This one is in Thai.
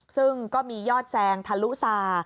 ซึ่งก็มียอดแซงทะลุซา